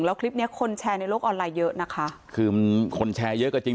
แล้วคลิปเนี้ยคนแชร์ในโลกออนไลน์เยอะนะคะคือมันคนแชร์เยอะก็จริง